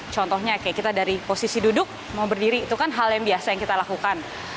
contohnya kayak kita dari posisi duduk mau berdiri itu kan hal yang biasa yang kita lakukan